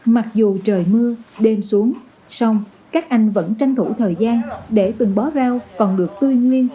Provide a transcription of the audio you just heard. mặc dù trời mưa đêm xuống sông các anh vẫn tranh thủ thời gian để từng bó rau còn được tươi nguyên